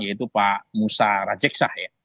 yaitu pak musa rajeksah ya